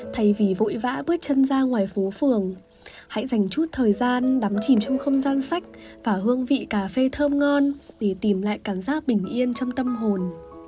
thay vì vội vã bước chân ra ngoài phố phường hãy dành chút thời gian đắm chìm trong không gian sách và hương vị cà phê thơm ngon để tìm lại cảm giác bình yên trong tâm hồn